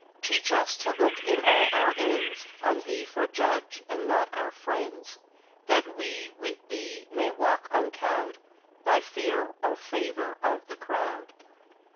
Teach us to look in all our ends, On Thee for judge, and not our friends; That we, with Thee, may walk uncowed By fear or favour of the crowd.